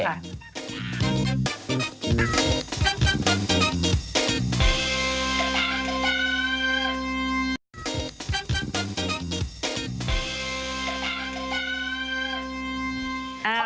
โอเค